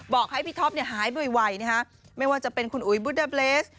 บอกให้พี่ท็อปเนี้ยหายไปไวเนี้ยฮะไม่ว่าจะเป็นคุณอุ๋ยบุฎาเบรส